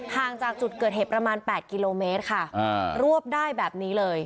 ห่างจากจุดเกิดเหตุประมาณ๘กิโลเมตรค่ะรวบได้แบบนี้เลย